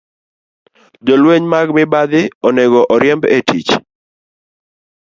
Jolweny mag mibadhi onego oriemb e tich, to